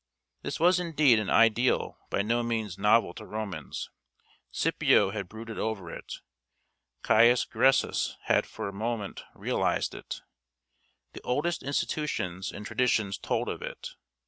This was indeed an ideal by no means novel to Romans. Scipio had brooded over it. Caius Gracchus had for a moment realized it. The oldest institutions and traditions told of it.